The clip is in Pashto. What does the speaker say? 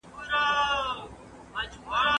زده کړه د روښانه راتلونکي لاره ده.